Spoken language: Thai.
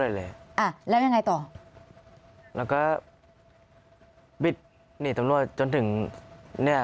เลยอ่ะแล้วยังไงต่อแล้วก็บิดหนีตำรวจจนถึงเนี่ย